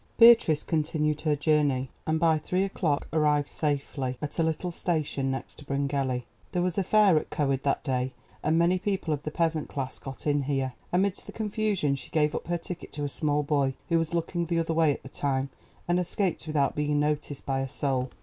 Beatrice continued her journey, and by three o'clock arrived safely at the little station next to Bryngelly. There was a fair at Coed that day, and many people of the peasant class got in here. Amidst the confusion she gave up her ticket to a small boy, who was looking the other way at the time, and escaped without being noticed by a soul.